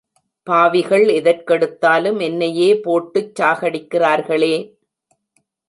பாவிகள் எதற்கெடுத்தாலும் என்னையே போட்டுச் சாகடிக்கிறார்களே!